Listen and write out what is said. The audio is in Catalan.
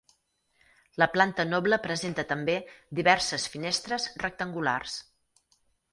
La planta noble presenta també diverses finestres rectangulars.